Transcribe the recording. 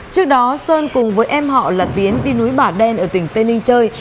trước đó sơn cùng với em họ là tiến đi núi bà đen ở tỉnh tây ninh chơi